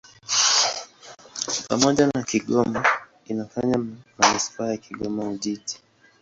Pamoja na Kigoma inafanya manisipaa ya Kigoma-Ujiji.